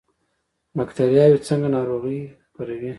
بکتریاوې څنګه ناروغي خپروي؟